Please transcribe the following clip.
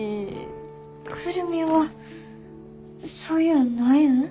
久留美はそういうんないん？